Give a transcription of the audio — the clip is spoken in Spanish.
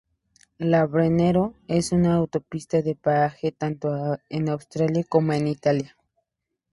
La "Brennero" es una autopista de peaje tanto en Austria como en Italia.